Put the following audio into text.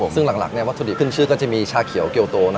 ซึ่งหลักวัตถุดิบขึ้นชื่อก็จะมีชาเขียวเกียวโต